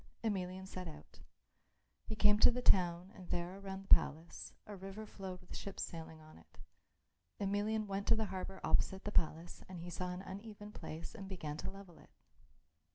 Emelian set out. He came to the town and there around the palace a river flowed with ships sailing on it. Emelian went up to the harbour opposite the palace and he saw an uneven place and began to level it.